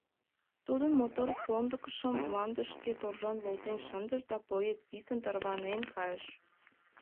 Тудын мотор сондыкшым мландышке торжан волтен шындышт, да поезд писын тарванен кайыш.